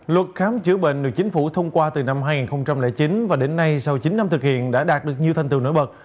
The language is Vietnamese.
luật khám chữa bệnh được chính phủ thông qua từ năm hai nghìn chín và đến nay sau chín năm thực hiện đã đạt được nhiều thành tựu nổi bật